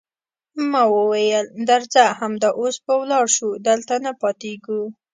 ما وویل: درځه، همدا اوس به ولاړ شو، دلته نه پاتېږو.